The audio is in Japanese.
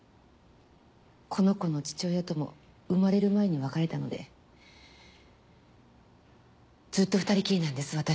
この子の父親とも生まれる前に別れたのでずっと２人きりなんです。